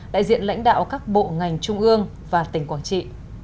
đại diện lãnh đạo các bộ ngành trung ương và tỉnh quảng trị